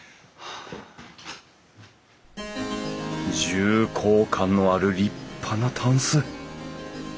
重厚感のある立派なたんす。